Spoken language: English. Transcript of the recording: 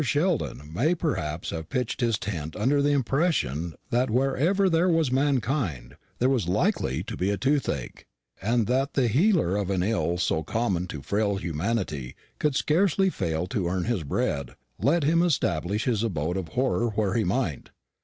Sheldon may, perhaps, have pitched his tent under the impression that wherever there was mankind there was likely to be toothache, and that the healer of an ill so common to frail humanity could scarcely fail to earn his bread, let him establish his abode of horror where he might.